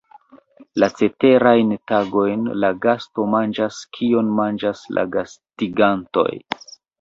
La ceterajn tagojn la gasto manĝas kion manĝas la gastigantoj.